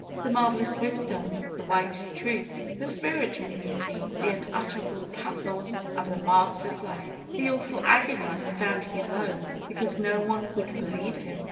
The marvel ous wisdom, the white truth, the spiritual beauty, the unutterable pathos of the Master's life! The awful agony of standing alone, because no one would believe Him.